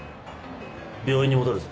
病院に戻るぞ。